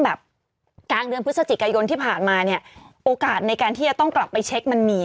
แบบกลางเดือนพฤศจิกายนที่ผ่านมาเนี่ยโอกาสในการที่จะต้องกลับไปเช็คมันมี